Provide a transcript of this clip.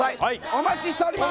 お待ちしております！